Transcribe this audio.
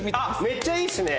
めっちゃいいですね！